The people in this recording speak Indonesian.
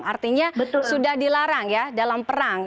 artinya sudah dilarang ya dalam perang